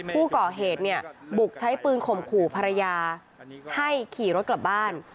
ผู้ก่อเหตุเนี่ยบุกใช้ปืนข่มขู่ภรรยาให้ขี่รถกลับบ้าน